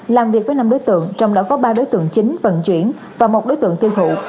làm việc với năm đối tượng trong đó có ba đối tượng chính vận chuyển và một đối tượng tiêu thụ